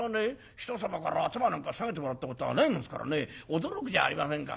人様から頭なんか下げてもらったことはないんですから驚くじゃありませんか。